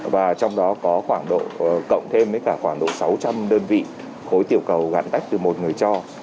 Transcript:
và trong đó có khoảng độ cộng thêm với cả khoảng độ sáu trăm linh đơn vị khối tiểu cầu gắn tách từ một người cho